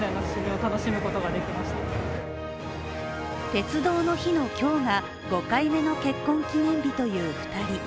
鉄道の日の今日が、５回目の結婚記念日という２人。